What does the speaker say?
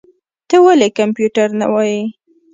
ته ولي کمپيوټر نه وايې؟